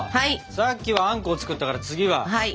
さっきはあんこを作ったから次はおですね。